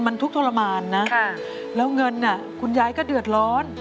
มันทุกข์ทรมานนะแล้วเงินคุณยายก็เดือดร้อน